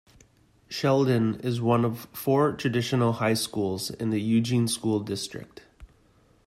Sheldon is one of four traditional high schools in the Eugene School District.